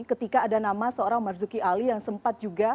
ketika ada nama seorang marzuki ali yang sempat juga